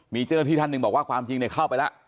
มีเจ้าหน้าที่ท่านหนึ่งบอกว่าความจริงเข้าไปแล้ว